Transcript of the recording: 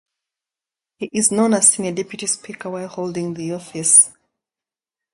He is known as Senior Deputy Speaker while holding the office.